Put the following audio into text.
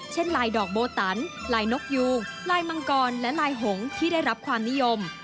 เช่นลายดอกโบตันลายนกยูงลายมังกรและลายหงที่ได้รับความนิยม